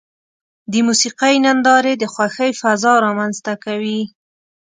د موسیقۍ نندارې د خوښۍ فضا رامنځته کوي.